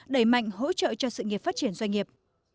đẩy mạnh hỗ trợ cho sự nghiệp phát triển doanh nghiệp